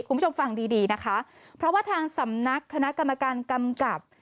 คุณผู้ชมฟังดีดีนะคะเพราะว่าทางสำนักคณะกรรมการกำกับ